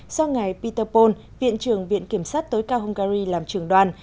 do ngài peter pol viện trưởng viện kiểm sát tối cao hungary làm trưởng đoàn